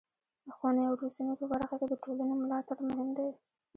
د ښوونې او روزنې په برخه کې د ټولنې ملاتړ مهم دی.